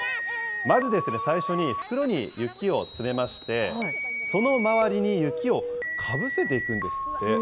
まずですね、最初に袋に雪を詰めまして、その周りに雪をかぶせていくんですって。